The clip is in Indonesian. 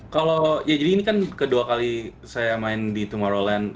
kalau ya jadi ini kan kedua kali saya main di tumorrowland